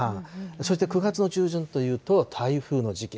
そして９月の中旬というと、台風の時期。